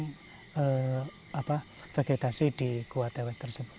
jadi kita harus mengurangi vegetasi di gua tewet tersebut